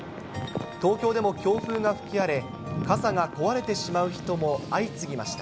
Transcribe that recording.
東京でも強風が吹き荒れ、傘が壊れてしまう人も相次ぎました。